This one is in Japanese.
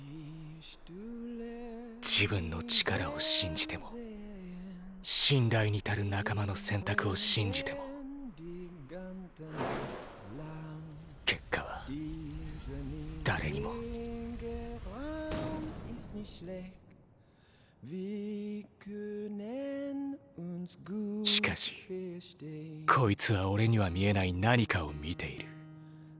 自分の力を信じても信頼に足る仲間の選択を信じても結果は誰にもしかしこいつは俺には見えない何かを見ている。